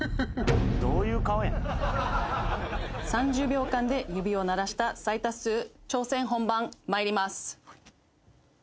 ３０秒間で指を鳴らした最多数挑戦本番参ります。